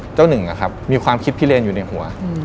เจ้าหนึ่งอะครับมีความคิดพี่เรนอยู่ในหัว